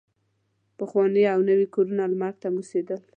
پخواني او نوي کورونه لمر ته موسېدل.